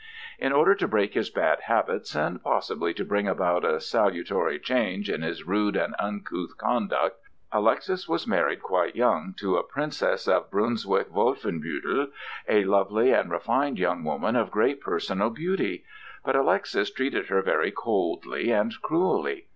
In order to break his bad habits and possibly to bring about a salutary change in his rude and uncouth conduct, Alexis was married quite young to a Princess of Brunswick Wolfenbüttel, a lovely and refined young woman of great personal beauty; but Alexis treated her very coldly and cruelly.